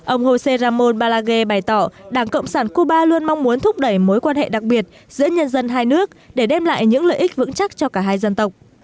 ông joseramon balage bày tỏ đảng cộng sản cuba luôn mong muốn thúc đẩy mối quan hệ đặc biệt giữa nhân dân hai nước để đem lại những lợi ích vững chắc cho cả hai dân tộc